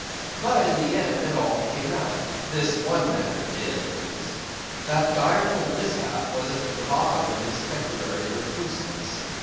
But, in the end, it all came out; this one matter did, at least. That direful mishap was at the bottom of his temporary recluseness.